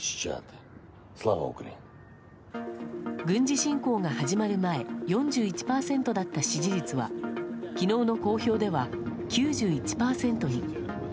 軍事侵攻が始まる前４１％だった支持率は昨日の公表では９１％に。